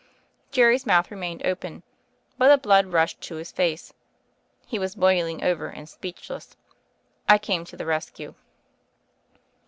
Jerry's mouth remained open; but the blood had rushed to his face. He was boiling over — and speechless. I came to the rescue.